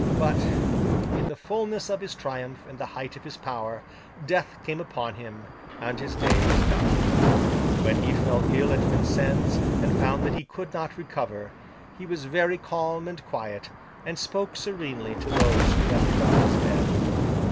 But, in the fulness of his triumph and the height of his power, Death came upon him, and his day was done. When he fell ill at Vincennes, and found that he could not recover, he was very calm and quiet, and spoke serenely to those who wept around his bed.